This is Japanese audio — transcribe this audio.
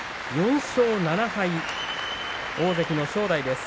４勝７敗、大関の正代です。